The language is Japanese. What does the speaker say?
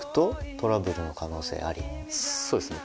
そうですね。